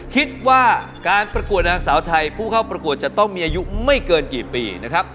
คิดว่าการปรากฎทางสาวให้ผู้เข้าปรากฎจะต้องมีอายุไม่เกินกี่ปี